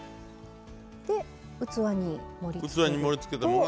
で器に盛りつけると。